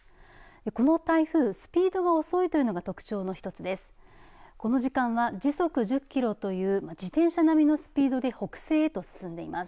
この台風スピードが遅いというのが特徴の１つです。